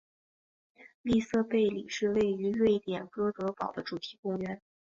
利瑟贝里是位于瑞典哥德堡的主题公园。